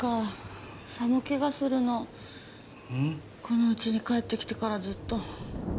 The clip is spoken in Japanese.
この家に帰ってきてからずっと。